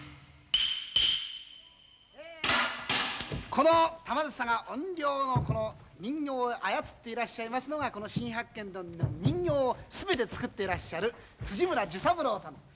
この玉梓が怨霊の人形を操っていらっしゃいますのが「新八犬伝」の人形を全て作っていらっしゃる村ジュサブローさんです。